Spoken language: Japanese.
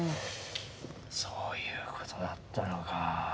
そういうことだったのか。